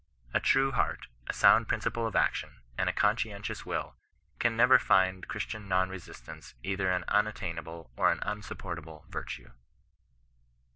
A true heart, a sound principle of action, and a conscientious will, can never find Christian non resistance either an unattainable or an unsupportable virtue.